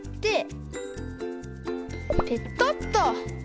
ペトッと。